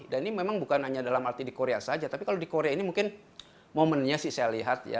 dan ini memang bukan hanya dalam arti di korea saja tapi kalau di korea ini mungkin momennya sih saya lihat ya